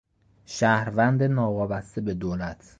شهروند ناوابسته به دولت